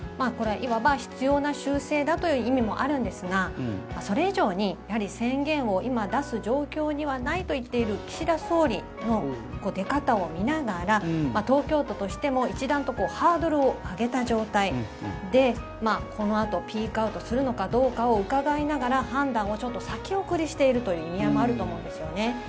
これはいわば必要な修正だという意味もあるんですがそれ以上にやはり宣言を今、出す状況にはないと言っている岸田総理の出方を見ながら東京都としても一段とハードルを上げた状態でこのあとピークアウトするのかどうかをうかがいながら判断を先送りしているという意味合いもあると思うんですね。